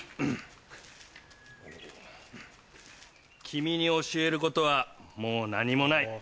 君に教えることはもう何もない。